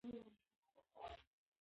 چوکۍ د لمونځ کوونکو لپاره هم وي.